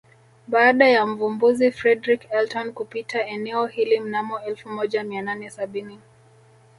Baada ya Mvumbuzi Fredrick Elton kupita eneo hili mnamo elfu moja mia nane sabini